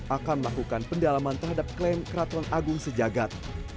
akan melakukan pendalaman terhadap klaim keraton agung sejagat